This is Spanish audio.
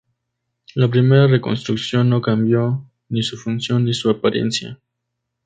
La primera reconstrucción no cambió ni su función ni su apariencia.